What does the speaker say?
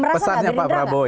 oke tapi merasa gak gerindra gak